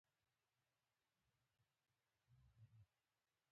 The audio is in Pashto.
د تخه د پاکوالي لپاره د څه شي اوبه وڅښم؟